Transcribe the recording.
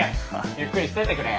ゆっくりしてってくれ。